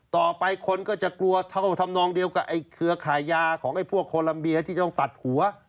ต่อไปคนก็จะกลัวเท่าทำนองเดียวกับไอ้เครือขายยาของไอ้พวกโคลัมเบียที่ต้องตัดหัว